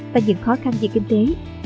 và những khó khăn về kinh tế